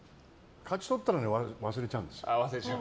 勝ち取ったのは忘れちゃうんですよ。